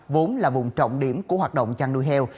vốn là vùng trọng điểm của hoạt động chăn nuôi heo